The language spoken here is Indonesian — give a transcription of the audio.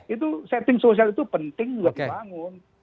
itu setting sosial itu penting juga dibangun